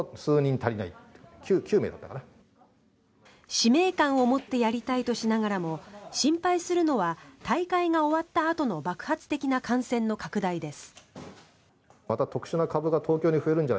使命感を持ってやりたいとしながらも心配するのは大会が終わったあとの爆発的な感染の拡大です。